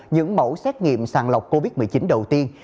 những mẫu xét nghiệm sàng lọc covid một mươi chín đầu tiên